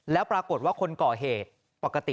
แล้วปรากฏว่าคนก่อเหตุปกติเป็นคนก่อเหตุ